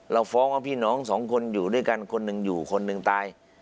ฟ้องว่าพี่น้องสองคนอยู่ด้วยกันคนหนึ่งอยู่คนหนึ่งตาย